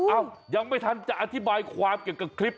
ยังไม่ทันจะอธิบายความเกี่ยวกับคลิป